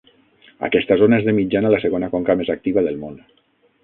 Aquesta zona és, de mitjana, la segona conca més activa del món.